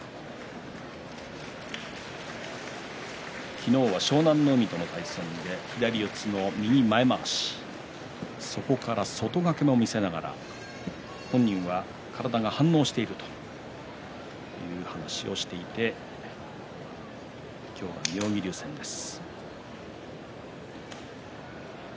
昨日は湘南乃海との対戦で左四つの右前まわしそこから外掛けも見せながら本人は体が反応しているという話をしていて今日の妙義龍戦です。